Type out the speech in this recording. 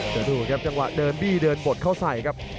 เดี๋ยวดูครับจังหวะเดินบี้เดินบดเข้าใส่ครับ